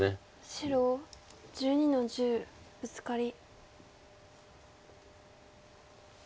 白１２の十ブツカリ。